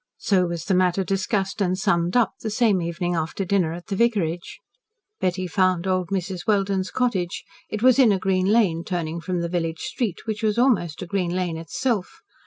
So was the matter discussed and summed up, the same evening after dinner, at the vicarage. Betty found old Mrs. Welden's cottage. It was in a green lane, turning from the village street which was almost a green lane itself.